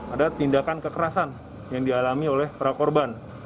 ada tindakan kekerasan yang dialami oleh para korban